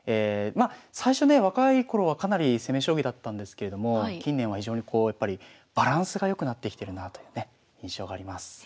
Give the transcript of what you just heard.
まあ最初ね若い頃はかなり攻め将棋だったんですけれども近年は非常にこうやっぱりバランスが良くなってきてるなというね印象があります。